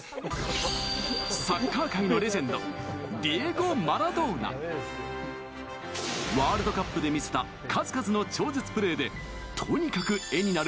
サッカー界のレジェンドディエゴ・マラドーナワールドカップで見せた数々の超絶プレーでとにかく絵になる